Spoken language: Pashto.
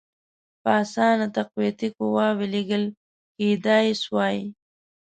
په اسانه تقویتي قواوي لېږل کېدلای سوای.